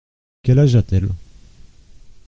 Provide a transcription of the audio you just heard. Quel âge a-t-elle ?